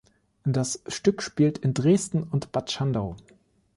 Das Stück spielt in Dresden und Bad Schandau.